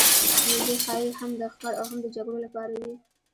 نیزې ښايي هم د ښکار او هم د جګړو لپاره وې.